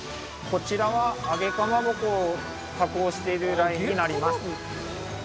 こちらは揚げかまぼこを加工しているラインになります。